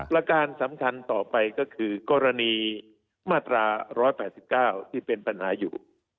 การสำคัญต่อไปก็คือกรณีมาตรา๑๘๙ที่เป็นปัญหาอยู่